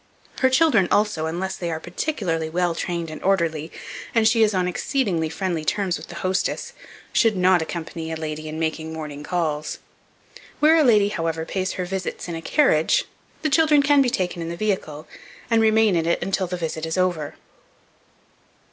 Her children, also, unless they are particularly well trained and orderly, and she is on exceedingly friendly terms with the hostess, should not accompany a lady in making morning calls. Where a lady, however, pays her visits in a carriage, the children can be taken in the vehicle, and remain in it until the visit is over.